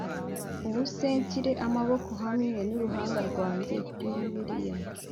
Ubuse nshyira amaboko hamwe nuruhanga rwanjye kuri Bibiliya